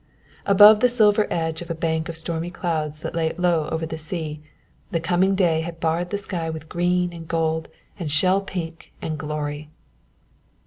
Above the silver edge of a bank of stormy clouds that lay low over the sea, the coming day had barred the sky with green and gold and shell pink and glory.